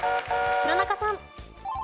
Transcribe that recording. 弘中さん。